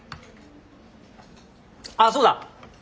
あっそうだ！